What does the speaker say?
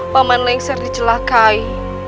paman lengser dicelakai